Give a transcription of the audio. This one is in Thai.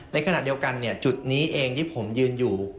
ในขณะเดียวกันจุดนี้เองที่ผมยืนอยู่